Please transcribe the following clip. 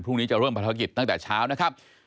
พรุ่งนี้จะเริ่มภารกิจตั้งแต่เช้านะครับ